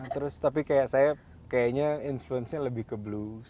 terus tapi kayak saya kayaknya influence nya lebih ke blues